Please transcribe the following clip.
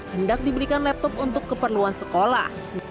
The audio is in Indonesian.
hendak dibelikan laptop untuk keperluan sekolah